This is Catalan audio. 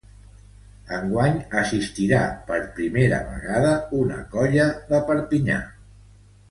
Enguany assistirà per primera vegada una colla de Perpinyà.